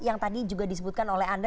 yang tadi juga disebutkan oleh anda